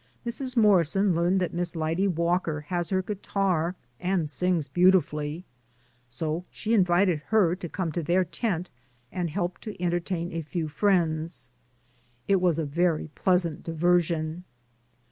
Mrs. Mor rison learned that Miss Lyde Walker has her guitar, and sings beautifully, so she invited her to come to their tent and help to enter 104 DAYS ON THE ROAD. tain a few friends. It was a very pleasant diversion.